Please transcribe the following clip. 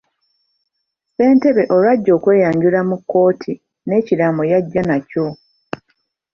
Ssentebe olwajja okweyanjula mu kkooti n'ekiraamo yajja nakyo.